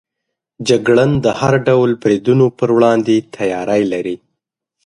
جګړن د هر ډول بریدونو پر وړاندې تیاری لري.